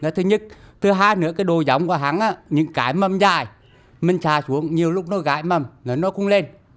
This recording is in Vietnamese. thứ nhất thứ hai nữa cái đồ giống của hắn những cái mầm dài mình trà xuống nhiều lúc nó gãi mầm nó không lên